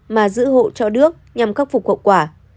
mà giữ hộ cho đước nhằm khắc phục hậu quả